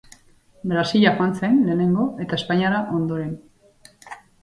Brasila joan zen, lehenengo, eta Espainiara ondoren.